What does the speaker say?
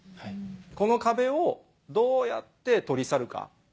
この壁をどうやって取り去るか。